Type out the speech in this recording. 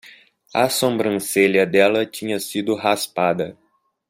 A sombrancelha dela tinha sido raspada